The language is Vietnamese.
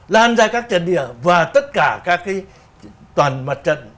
lan ra các trận địa và tất cả các toàn mặt trận